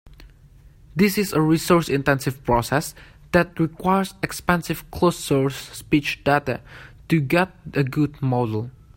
This is a resource-intensive process that requires expensive closed-source speech data to get a good model.